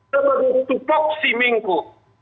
sebagai tukoks si mengko